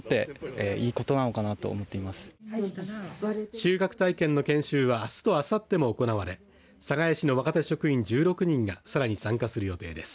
収穫体験の研修はあすとあさっても行われ寒河江市の若手職員１６人がさらに参加する予定です。